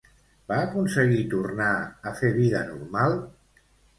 Va aconseguir tornar a fer vida normal?